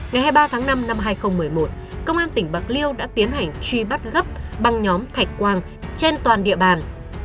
ngày hai mươi ba tháng năm năm hai nghìn một mươi một công an tỉnh bạc liêu đã tiến hành truy bắt gấp băng nhóm thạch quang trên toàn địa bàn